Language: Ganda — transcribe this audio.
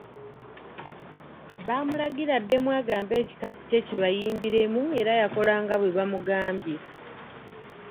Baamulagira addemu agambe ekikapu kye kibayimbiremu era yakola nga bwe bamugambye.